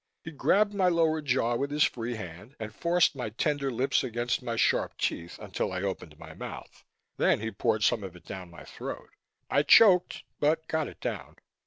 He grabbed my lower jaw with his free hand and forced my tender lips against my sharp teeth until I opened my mouth. Then he poured some of it down my throat. I choked, but got it down.